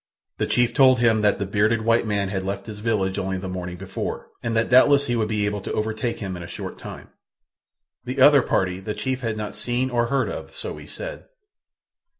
The chief told him that the bearded white man had left his village only the morning before, and that doubtless he would be able to overtake him in a short time. The other party the chief had not seen or heard of, so he said.